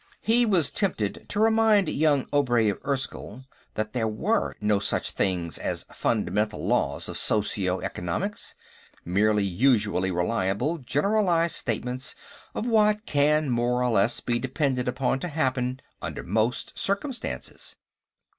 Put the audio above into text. He was tempted to remind young Obray of Erskyll that there were no such things as fundamental laws of socio economics; merely usually reliable generalized statements of what can more or less be depended upon to happen under most circumstances.